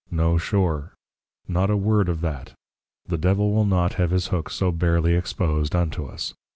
No sure; not a word of that; the Devil will not have his Hook so barely expos'd unto us.